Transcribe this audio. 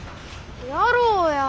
やろうや。